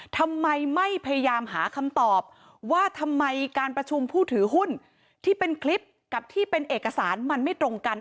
ทำไมไม่พยายามหาคำตอบว่าทำไมการประชุมผู้ถือหุ้นที่เป็นคลิปกับที่เป็นเอกสารมันไม่ตรงกัน